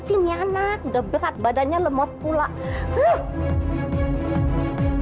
sama ada adalah ken's ahramos lien hitung